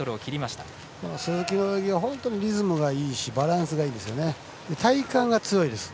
鈴木の泳ぎは本当にリズムがいいしバランスがいいですね。